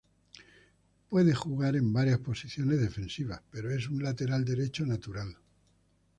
Él puede jugar en varias posiciones defensivas, pero es un lateral derecho natural.